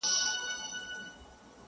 o د زړه رگونه مي د باد په هديره كي پراته ـ